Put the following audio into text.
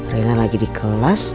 rena lagi di kelas